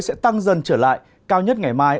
sẽ tăng dần trở lại cao nhất ngày mai